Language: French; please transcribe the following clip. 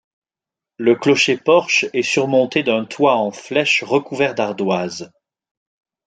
Le clocher-porche est surmonté d'un toit en flèche recouvert d'ardoise.